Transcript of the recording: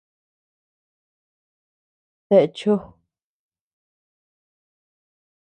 ¿Dae cho?